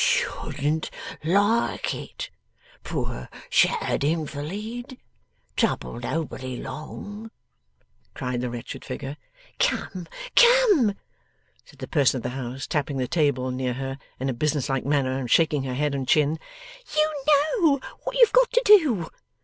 'Shouldn't like it. Poor shattered invalid. Trouble nobody long,' cried the wretched figure. 'Come, come!' said the person of the house, tapping the table near her in a business like manner, and shaking her head and her chin; 'you know what you've got to do.